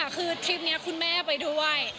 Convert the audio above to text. ไม่มีค่ะคือทริปนี้คุณแม่ไปด้วย